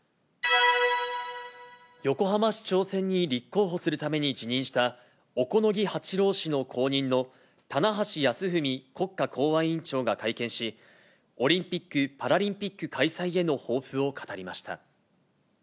横浜市長選に立候補するために辞任した小此木八郎氏の後任の棚橋泰文国家公安委員長が会見し、オリンピック・パラリンピック開催への抱負を語りました。